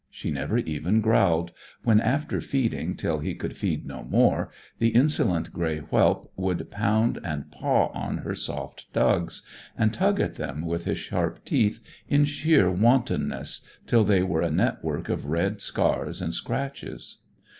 She never even growled when, after feeding till he could feed no more, the insolent grey whelp would pound and paw at her soft dugs, and tug at them with his sharp teeth in sheer wantonness, till they were a network of red scars and scratches.